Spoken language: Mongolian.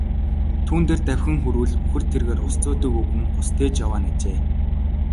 Түүн дээр давхин хүрвэл үхэр тэргээр ус зөөдөг өвгөн ус тээж яваа нь ажээ.